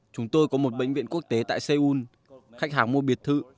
chúng tôi có một bệnh viện quốc tế tại seoul khách hàng mua biệt thự